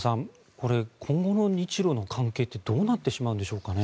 これ、今後の日ロの関係はどうなってしまうんでしょうか？